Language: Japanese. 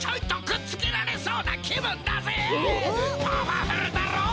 パワフルだろ？